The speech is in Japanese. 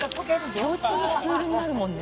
共通のツールになるもんね